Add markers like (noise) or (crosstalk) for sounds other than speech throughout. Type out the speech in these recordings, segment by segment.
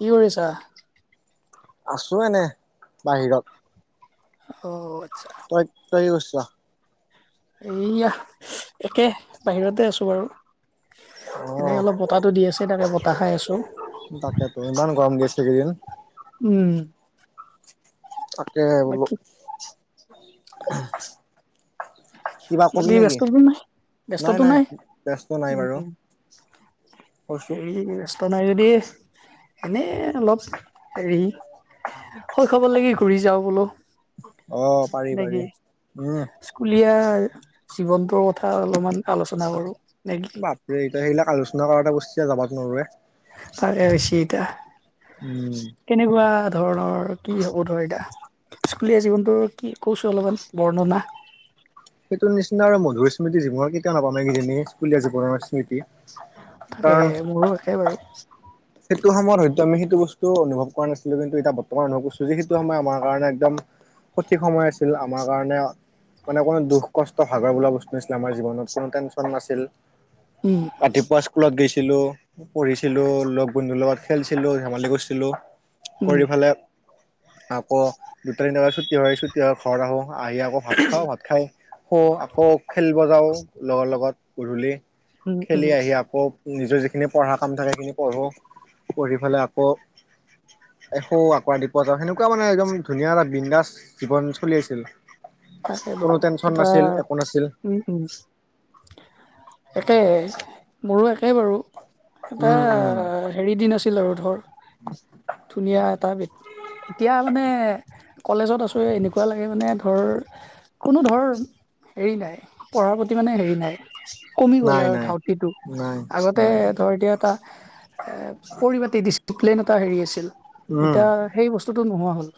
কি কৰিছা আছো এনে বাহিৰত অ আচ্ছা তই কি কছ্যা এইয়া একে বাহিৰতে আছোঁ বাৰু অ এনে অলপ বতাহটো দি আছে এনে বতাহ খাই আছো তাকেতো ইমান গৰম দিছে এইকেইদিন উম তাকে বোলো বাকী কিবা কবি বাকী নেকি? ব্যস্ততো নাই ব্যস্ততো নাই ব্যস্ত নাই উম বাৰু উম কৈছো এইয়া ত নাই যদি এনেই অলপ হেৰি শৈশৱৰ লাগি ঘূৰি যাওঁ বোলো অ পাৰি পাৰি। নাকি উম স্কুলীয়া জীৱনটোৰ কথা অলপমান আলোচনা কৰো নে কি এই এতিয়া সেইবিলাক আলোচনা কৰাতে বস্ যাবাত নোৱাৰোৱে তাৰেছি উম। এতিয়া কেনেকুৱা ধৰণৰ কি হব ধৰ এতিয়া স্কুলীয়া জীৱনটো কি কৈছো অলমান বৰ্ণনা সেইটো নিচিনা আৰু মধুৰ স্মৃতি জীৱনৰ কেতিয়াও নাপামেই স্কুলীয়া জীৱনৰ স্মৃতি কাৰণ তাকেহে মোৰো একে ভাবো সেইটো সময়ত হয়তো আমি সেইটো বস্তু অনুভৱ কৰা নছিলো কিন্তু ইতা বৰ্ত তোমাৰ ভাবিছো যে সেইটো সময় আমাৰ কাৰণে একদম সঠিক সময় আছিল আমাৰ কাৰণে মানে কোনো দুখ কষ্ট ভাগৰ বোলা বস্তু নাছিলে আমাৰ জীৱনত কোনো টেনশ্যন নাছিল উম ৰাতিপুৱা স্কুলত গৈছিলো পঢ়িছিলো লগ বন্ধুৰ লগত খেলছিলো ধেমালি কৰছিলো উম। কৰি ফালে আকৌ দুটা তিনটা বাজাত ছুটি হয় ছুটি হয় ঘৰত আহো আহি আকৌ ভাত খাওঁ ভাত খাই শু আকৌ খেলবা যাও লগৰ লগত গুধূলি উম উম। খেলি আহি আকৌ নিজৰ যিখিনি পঢ়া কাম থাকে সেইখিনি পঢ়ো পঢ়ি ফেলে আকৌ শুও আকৌ ৰাতিপুৱা যাওঁ সেনেকুৱা মানে একদম ধুনীয়া এটা বিন্দাস জীৱন চলি আছিল তাকেটো কোনো টেনচন নাছিল এটাত একো নাছিল উম উম একে মোৰো একে বাৰু এটা উম উম হেৰি দিন আছিল আৰু ধৰ ধুনীয়া এটা এতিয়া মানে কলেজত আছোঁৱে এনেকুৱা লাগে মানে ধৰ কোনো ধৰ হেৰি নাই পঢ়াৰ প্ৰতি মানে হেৰি নাই কমি গ'ল নাই আৰু নাই ধাউতিটো নাই আগতে নাই ধৰ এতিয়া এটা এ পৰিপাটী ডিচপ্লেন এটা হেৰি আছিল উম ইতা সেই বস্তুটো নোহোৱা হ'ল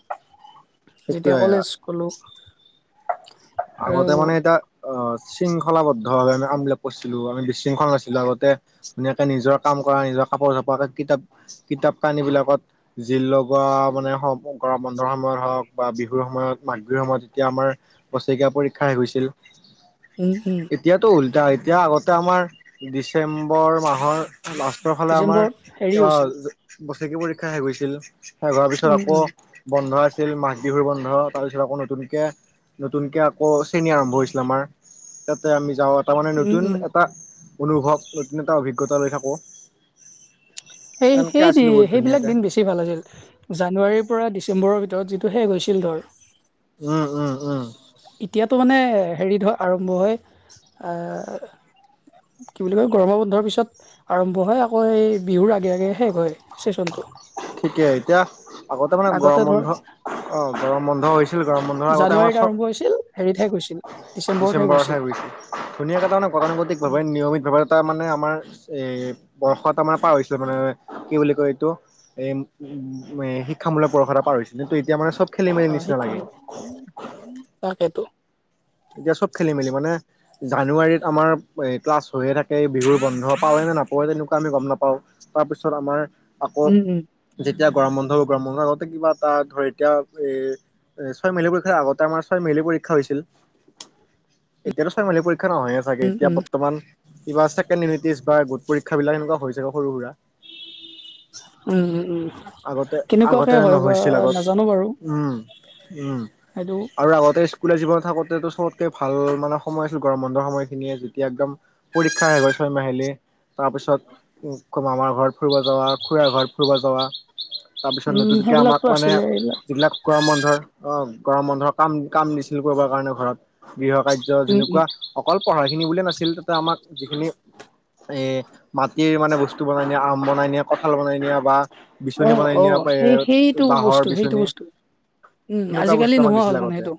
যেতিয়া সেইটোয়ে কলেজ গ'লোঁ আগতে মানে এতা অ শৃংখলাবদ্ধ ভাৱে আমি আমবলাপ কৰিছিলো আমি বিশৃংখল নাছিলো আগতে ধুনীয়াকে নিজৰ কাম কৰা নিজৰ কাপোৰ চপৰ কিতাপ কিতাপ কানী বিলাকত জিলোগা লগোৱা মানে কৰা বন্ধৰ সময়ত হওক বা বিহুৰ সময়ত মাঘ বিহুৰ সময়ত তেতিয়া আমাৰ বছৰেকীয়া পৰীক্ষাই শেষ হৈছিল উম উম এতিয়াতো উল্টা এতিয়া আগতে আমাৰ ডিচেম্বৰ মাহৰ - ৰ ফালে আমাৰ ডিচেম্বৰত হেৰি হৈছিল আহ বছৰেকীয়া পৰীক্ষা শেষ হৈছিল শেষ হোৱাৰ পিছত উম আকৌ উম বন্ধ আছিল মাঘ বিহুৰ বন্ধ তাৰপিছত আকৌ নতুনকে নতুনকে আকৌ শ্ৰেণী আৰম্ভ হৈছিল আমাৰ তাতে আমি যাওঁ এটা মানে উম নতুন উম এটা অনুভৱ নতুন এটা অভিজ্ঞতা লৈ থাকো তেনেকে সেইটোৱে আছিলো সেই বহুত সেইবিলাক ধুনীয়াকে দিন বেছি ভাল আছিল জানুৱাৰীৰ পৰা ডিচেম্বৰৰ ভিতৰত যিটো শেষ হৈছিল ধৰ। উম উম উম এতিয়াতো মানে হেৰিত আৰম্ভ হয় আ কি বুলি কয় গৰম বন্ধৰ পিছত আৰম্ভ হয় আকৌ এই বিহুৰ আগে আগে শেষ হয় চেচনটো ঠিকে এতিয়া আগতে মানে গৰম বন্ধ অ গৰম বন্ধ হৈছিল গৰম বন্ধৰ আগতে আমাৰ জানুৱাৰীত শৱ আৰম্ভ হৈছিল হেৰিত শেষ হৈছিল ডিচেম্বৰত শেষ ডিচেম্বৰতহে হৈছিল গৈছিল ধুনীয়াকে এটা গতানুগতিক ভাৱে উম, নিয়মিত ভাৱে তাৰ মানে আমাৰ এ বৰ্ষ এটা মানে পাৰ হৈছিল মানে কি বুলি কয় এ উ শিক্ষামূলক পৰস এটা পাৰ হৈছিলে কিন্তু এতিয়া মানে চব খেলিমেলি নিচিনা লাগে তাকেইতো এতিয়া চব খেলি মেলি মানে জানুৱাৰীত আমাৰ এই ক্লাছ হৈয়ে থাকে বিহুৰ বন্ধ পাওঁৱ নে নাপাওঁৱেই তেনেকুৱা আমি গম নাপাওঁ তাৰপিছত আমাৰ আকৌ উম উম যেতিয়া গৰম বন্ধ হ' গৰম বন্ধৰ আগতে কিবা এটা ধৰ এতিয়া এ এ ছয় মেলিলী পৰীক্ষাৰ আগতে আমাৰ ছয় মাহিলী পৰীক্ষা হৈছিল এতিয়াতো ছয়ইমাৰী পৰীক্ষা নহয়ে চাগে উম এতিয়া উম বৰ্তমান কিবা ছেকেণ্ড ইউটি গোট পৰীক্ষা শিক্ষাবিলাক এনেকুৱা হৈ যাগৈ সৰু সুৰা উম উম উম আগতে কেনেকুৱাকে আগতে হয় বা নহৈছিল আগত নাজানো বাৰু উম উম সেইটো আৰু আগতে স্কুলীয়া জীৱত থাকোঁটো চবতকে ভাল মানে সময় আছিল গৰম বন্ধৰ সময়খিনিয়ে যেতিয়া একদম পৰীক্ষা আহ গ'ল ছয় মাহিলী তাৰপিছত কয় মামাৰ ঘৰত ফুৰিব যাৱা খুৰাৰ ঘৰত ফুৰিব যোৱা তাৰপিছত উম নতুনকে সেইবিলাকতো আমাক মানে আছিলে এইবিলাক যিবিলাক গৰম বন্ধৰ অ গৰম বন্ধৰ কাম কাম দিছিল কৰিব কাৰণে ঘৰত গৃহ কাৰ্য উম উম যেনেকুৱা অকল পঢ়া খিনি বুলিয়ে নাছিল তাতে আমাক যিখিনি এ মাটিৰ মানে বস্তু বনাই নিয়া আম বনাই নিয়া কঁঠাল বনাই নিয়া বা অ বিচনী বনাই অ নিয়া এ সেই সেইটো বাঁহৰ বস্তু সেইটো বিচনী বস্তু উম সেনেকুৱা আজিকালি বস্তু আমাক নোহোৱা দিছিল হ'ল মানে আগতে সেইটো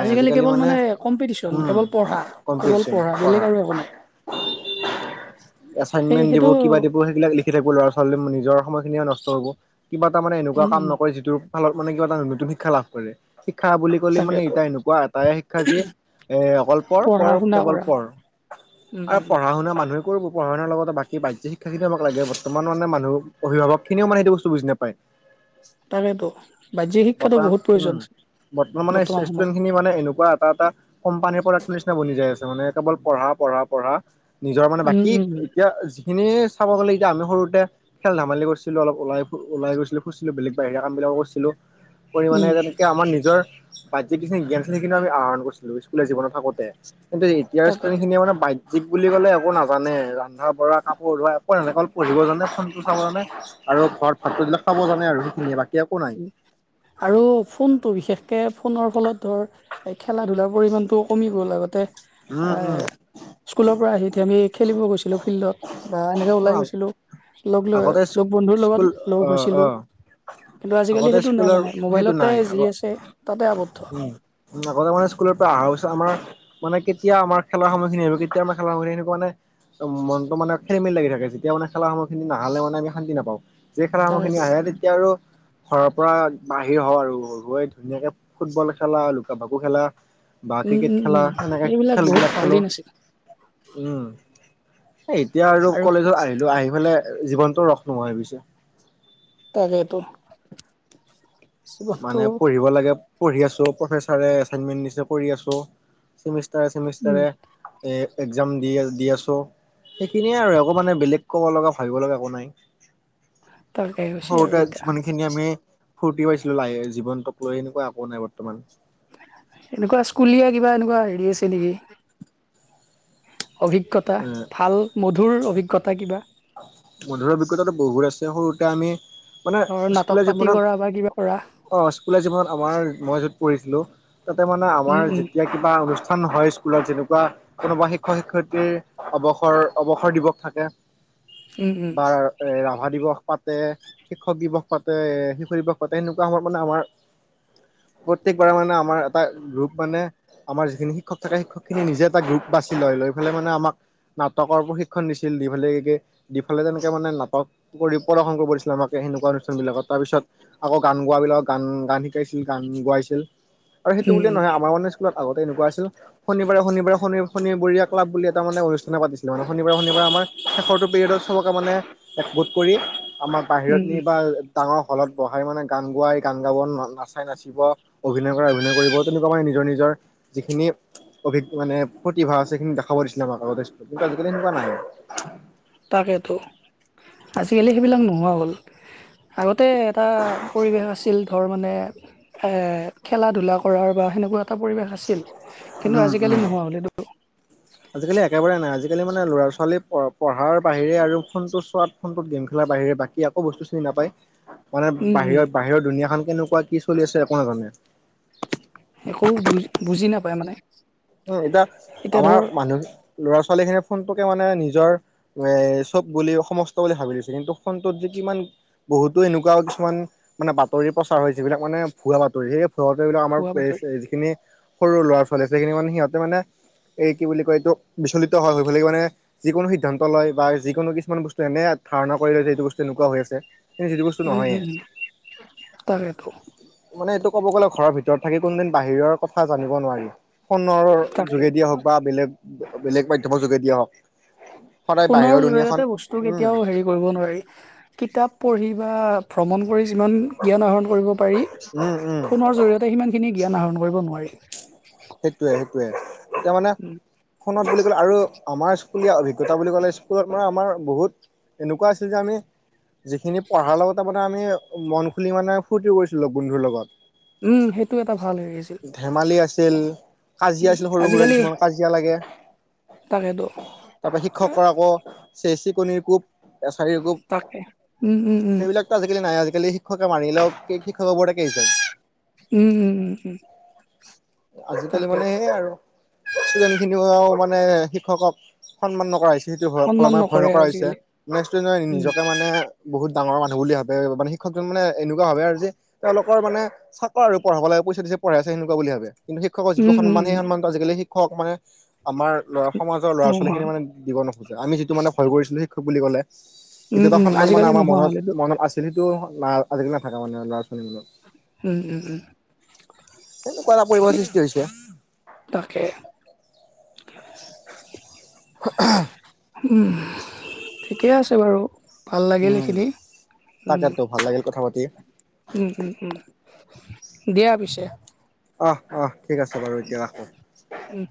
আজিকালি কেৱল মানে কম্পিটিশন উম কেৱল পঢ়া কেৱল পঢ়া বেলেগ আৰু একো নাই উ (inaudible) এচাইনমেন্ট দিব কিবা দিব সেই এইবিলাক লিখি থাকিব ল'ৰা ছোৱালী নিজৰ সময়খিনিয়ে নষ্ট হব কিবা এটা মানে এনেৱা উম, কাম উম, নকৰে যিটো ভালত মানে কিবা এটা নতুন শিক্ষা লাভ কৰে। শিক্ষা বুলি ক'লে মানে এ তাকেতো এনেকুৱা এটাই শিক্ষা যে, এ অকল পঢ়- পঢ়া পঢ়, শুনা কেৱল কৰা। পঢ়। উম, আৰু উম, উম, পঢ়া শুনা মানুহে পঢ়া শুনাৰ লগতে বাহ্যিক শিক্ষা খিনি অলপ লাগে। বৰ্তমান মানুহ অভিভাৱকখিনিও সেইটো বস্তু বুজি নাপায়। তাকেতো বাহ্যিক শিক্ষাটো হয়, বহুত প্ৰয়োজন উম, বতা- বৰ্তমান মানে (unintelligible) সেইখিনি মানে এনেকুৱা এটা এটা কোম্পানীৰ প্ৰডাক্ট নিচিনা বনি যায়। অকল মানে কেৱল পঢ়া- পঢ়া- পঢ়া। নিজৰ মানে উম, বাকী উম, উম, এতিয়া যিখিনি চাব গ'লে এতিয়া আমি সৰুতে খেল- ধেমালি কৰিছিলোঁ অলপ ওলাই। ওলাই গৈছিলোঁ, কৰিছিলোঁ, বেলেগ বাহিৰা কাম বিলাকো কৰিছিলোঁ, পৰিমাণে উম, তেনেকে আমাৰ নিজৰ যি কিন জ্ঞান খিনি আমি আহৰণ কৰিছিলোঁ, স্কুল জীৱনত থাকোঁতে। কিন্ত এতিয়া তাকে ষ্টুডেণ্টখিনি মানে বাধ্য জীৱ বুলি ক'লে একো নাজানে, ৰন্ধা বঢ়া কাপোৰ ধোৱা একো সেনেকে পঢ়িব জানে, ফোনটো চাব জানে। আৰু ঘৰত ভাত বিলাক খাব জানে আৰু। সেইখিনিয়ে বাকী একো নাই। উম, আৰু ফোনটো বিশেষকৈ ফোনৰ ফলত ধৰ, এই খেলা- ধূলাৰ পৰিমাণটো কমি গ'ল। আগতে উম এ, উম স্কুলৰ পৰা আহি কেনে আমি খেলিব গৈছিলোঁ ফিল্ডত। বা এনেকৈ অ ওলাই গৈছিলোঁ। লগ- আগতে লগ বন্ধুৰ স্কুল লগত লগ অ অ হৈছিলোঁ। কিন্তু আজিকালি আগতে সেইটো নাই স্কুলৰ মানে সেইটো মোবাইলতে নাই, যি আগৰ আছে তাতে আৱদ্ধ উম। উম, আগতে মানে স্কুলৰ পৰা আহাৰ পিছত আমাৰ মানে কেতিয়া আমাৰ খেলাৰ সময়খিনি আহিব, কেতিয়া আমাৰ খেলা সময়খিনি সেনেকা মানে, মনটো মানে খেলি মেলি লাগে। থাকে, যেতিয়া মানে খেলাসময়খিনি নাহালে মানে আমি শান্তি নাপাওঁ। সেই খেলাসময়খিনি তাকেতো আহে তেতিয়া আৰু ঘৰৰ পৰা বাহিৰ হওঁ আৰু। ধুনীয়াকে ফুটবল খেলা, লুকা- ভাকু খেলা, বা উম ক্ৰিকেট উম খেলে। উম এনেকে এইবিলাক বহুত খেলবিলাক ভাল খেলোঁ। দিন আছিল উম, এই এতিয়া আৰু কলেজত আহিলোঁ, আহি পেলাই জীৱনতটো ৰস নোহোৱা হৈ গৈছে। তাকেটো। মানে পঢ়িব লাগে, পঢ়ি আছোঁ। প্ৰফেচাৰে এছাইনমেন্ট দিছে কৰি আছোঁ। উম ছেমিষ্টাৰে-ছেমিষ্টাৰে এ, এক্সজাম দি- দি আছোঁ। সেইখিনিয়ে আৰু একো মানে বেলেগ ক'ব লগা, ভাবিব লগা একো নাই। তাকে হৈছে আৰু সৰুতে এতিয়া যিমানখিনি আমি ফুৰ্তি পাইছি (unintelligible) জীৱনক লৈ এনেকুৱা একো নাই বৰ্তমান। এনেকুৱা স্কুলীয়া কিবা, এনেকুৱা হেৰি আছে নেকি? অভিজ্ঞতা, এ ভাল মধুৰ অভিজ্ঞতা কিবা? মধুৰ অভিজ্ঞতাটো বহুত আছে সৰুতে আমি মানে ধৰ নাটক স্কুলীয়া পাতি জীৱনত কৰা বা কিবা কৰা অ, স্কুলীয়া জীৱনত আমাৰ মই য'ত পঢ়িছিলোঁ, তাতে মানে আমাৰ উম উম যেতিয়া কিবা অনুষ্ঠান হয়, স্কুলত। যেনেকুৱা কোনোবা শিক্ষক- শিক্ষয়িত্ৰীৰ অৱসৰ-অৱসৰ দিৱস পাতে উম উম বা এ ৰাভা দিৱস পাতে শিক্ষক দিৱস পাতে, শিশু দিৱস পাতে, এনেকুৱা সময়ত মানে আমাৰ প্ৰত্যেকবাৰ মানে আমাৰ এটা গ্ৰুপ মানে আমাৰ যিখিনি শিক্ষক থাকে, শিক্ষক খিনি নিজে এটা গ্ৰুপ বাচি লয় লৈ পেলায় মানে আমাক নাটকৰ প্ৰশিক্ষণ দিছিল। দি দুইফালে তেনেকে মানে নাটক নৃত্য প্ৰদৰ্শন কৰিব দিছিলে আমাক, সেনেকুৱা অনুষ্ঠান বিলাকত। তাৰপিছত আকৌ গান গোৱাবিলাক গান-গান শিকা শিকাইছিল, গান গোৱাইছিল। আৰু সেইটো উম বুলিয়ে উম নহয়, আমাৰ মানে স্কুলত আগতে এনেকুৱা আছিল শনিবাৰে-শনিবাৰে, শনিৰ- শনিবৰীয়া ক্লাব বুলি এটা মানে অনু তেনেকুৱা দিছিলে মানে। শনিবাৰে- শনিবাৰে আমাৰ শেষৰটো পিৰিয়ডত চবকে মানে একগোট কৰি আমাক বাহিৰত উম নি উম বা ডাঙৰ হলত বহাই মানে গান গোৱাই গান গাব, ন নাচাই নাচিব অভিনয় কৰাই অভিনয় কৰিব তেনেকুৱা মানে নিজৰ নিজৰ যিখিনি অভিগ মানে প্ৰতিভা আছে সেইখিনি দেখাব দিছিলে আমাক আগতে (unintelligible) কিন্তু আজিকালি সেনেকুৱা নাই। তাকেতো, আজিকালি সেইবিলাক নোহোৱা হ'ল। আগতে এটা পৰিৱেশ আছিল ধৰ মানে। এ, খেলা ধুলা কৰাৰ বা সেনেকুৱা এটা পৰিৱেশ আছিল কিন্তু উম আজিকালি উম নোহোৱা হ'ল এইটো আজিকালি একেবাৰে নাই আজিকালি মানে ল'ৰা ছোৱালী প-পঢ়াৰ বাহিৰে আৰু ফোনটো চোৱাত ফোনটোত গে'ম খেলাৰ বাহিৰে বাকী একো বস্তু চিনি নাপায়। (inaudible) মানে উম বাহিৰৰ-বাহিৰৰ দুুনীয়াখন কেনেকুৱা কি চলি আছে একো নাজানে। একো বুজ-বুজি নাপায় মানে। উম, এতিয়া এতিয়া ধৰ আমাৰ মানুহ ল'ৰা ছোৱালী খিনিয়ে ফোনটোকে মানে নিজৰ। এ, চব বুলি সমস্ত বুলি ভাবি লৈছে কিন্তু ফোনটোত যে কিমান বহুতো এনেকুৱা কিছুমান মানে বাতৰি প্ৰচাৰ হয় যিবিলাক মানে ভুৱা বাতৰি সেই সিহঁতে এইবিলাক ভুৱা আমাৰ এই, বাতৰি (unintelligible) যিখিনি সৰু ল'ৰা ছোৱালী আছে সেইখিনি মানে সিহঁতে মানে। এই কি বুলি কয় এইটো বিচলিত হয় হৈ (unintelligible) মানে যিকোনো সিদ্ধান্ত লয় বা যিকোনো কিছুমান বস্তু এনে ধাৰণা কৰি লয় যে এইটো বস্তু এনেকুৱা হৈ আছে। কিন্তু যিটো বস্তু উম নহয়ে। উম উম তাকেতো মানে এইটো ক'ব গ'লে ঘৰৰ ভিতৰত থাকি কোনদিন বাহিৰৰ কথা জানিব নোৱাৰি। ফোনৰ। তাকে যোগেদিয়ে হওক বা বেলেগ, বেলেগ মাধ্যমৰ যোগেদিয়ে হওক। সদায় ফোনৰ বাহিৰৰ দুুনীয়াখন জৰিয়তে বস্তু উম কেতিয়াও হেৰি নোৱাৰি কিতাপ পঢ়ি বা ভ্ৰমণ কৰি যিমান। জ্ঞান আহৰণ কৰিব পাৰি উম উম ফোনৰ জৰিয়তে সিমান খিনি জ্ঞান আহৰণ কৰিব নোৱাৰি। সেইটোৱে, সেইটোৱে এতিয়া মানে উম ফোনত বুলি ক'লে আৰু আমাৰ স্কুলীয়া অভিজ্ঞতা বুলি ক'লে স্কুলত মানে আমাৰ বহুত। এনেকুৱা আছিল যে আমি। যিখিনি পঢ়াৰ লগত আপোনাৰ আমি মন খুলি মানে ফূৰ্তি কৰিছিলো বন্ধুৰ লগত। উম সেইটো এটা ভাল হেৰি আছিল। ধেমালি আছিল কাজিয়া আছিল সৰু সুৰা আজিকালি কিছুমান কাজিয়া লাগে। তাকেতো তাৰ পৰা শিক্ষকৰ আকৌ চে চিকণিৰ কোৱ। এচাৰিৰ কোৱ তাকে উম উম উম সেইবিলাক। (unintelligible) আজিকালি নাই আজিকালি শিক্ষকে মাৰিলেও শিক্ষকৰ ওপৰতে কেছ হয়। উম, উম, উম, উম। আজিকালি তাকে মানে সেইয়ে আৰু ষ্টুডেন্ট খিনিও মানে শিক্ষকক। সন্মান নকৰা হৈছে সন্মান (unintelligible) ভয় নকৰে নকৰা হৈছে আজিকালি মানে ষ্টুডেণ্টে উম নিজকে মানে। বহুত ডাঙৰ মানুহ বুলি ভাবে মানে শিক্ষকজন মানে এনেকুৱা ভাবে আৰু যে তেওঁলোকৰ মানে সাত আৰু পঢ়াব লাগে পইচা দিছে পঢ়াই আছে সেনেকুৱা বুলি ভাবে কিন্তু শিক্ষক যিটো উম সন্মান উম সেই উম সন্মানটো আজিকালি শিক্ষকক মানে। আমাৰ ল'ৰা সমাজৰ ল'ৰা নোহোৱা ছোৱালীখিনি মানে দিব নোখোজে আমি যিটো মানে ভয় কৰিছিলো শিক্ষক বুলি ক'লে। উম কেতিয়াবা উম সন্মান মানে আজিকালি আমাৰ নোহোৱা মনত, হ'ল এইটো মনত আছিল সেইটো আজিকালি নাথাকে মানে ল'ৰা ছোৱালীবোৰৰ। উম, উম, উম। (unintelligible) এই সৃষ্টি হৈছে। তাকে। (unintelligible) উম। ঠিকে আছে বাৰু ভাল লাগিল উম এইখিনি উম। তাকেতো ভাল লাগিল কথা পাতি উম, উম, উম দিয়া পিছে। অহ, অহ, ঠিক আছে বাৰু, এতিয়া ৰাখো। উম।